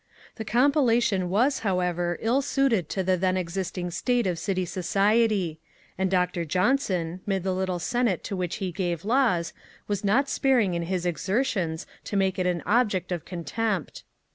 The Compilation was, however ill suited to the then existing taste of city society, and Dr Johnson, 'mid the little senate to which he gave laws, was not sparing in his exertions to make it an object of contempt.